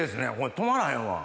止まらへん。